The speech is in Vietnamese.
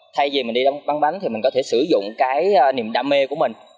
thay vì mình đi bắn bánh thì mình có thể sử dụng cái niềm đam mê của mình